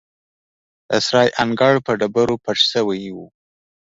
د سرای انګړ په ډبرو فرش شوی و.